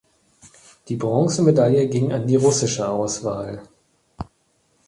Die Bronzemedaille ging an die russische Auswahl.